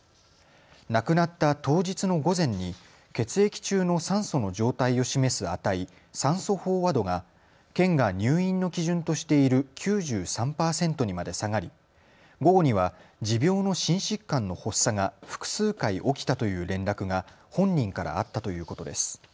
亡くなった当日の午前に血液中の酸素の状態を示す値、酸素飽和度が県が入院の基準としている９３％にまで下がり、午後には持病の心疾患の発作が複数回起きたという連絡が本人からあったということです。